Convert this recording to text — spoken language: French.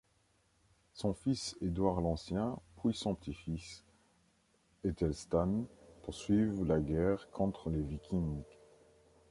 Son fils Édouard l'Ancien, puis son petit-fils Æthelstan poursuivent la guerre contre les Vikings.